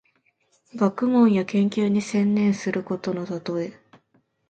学問や研究に専念することのたとえ。